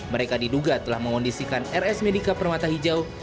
mereka diduga telah mengondisikan rs medika permata hijau